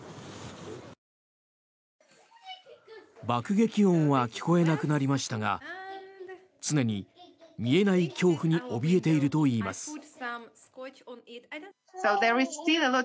爆撃音は聞こえなくなりましたが常に見えない恐怖におびえているといいます。